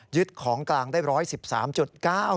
ยึดของกลางได้๑๑๓จุด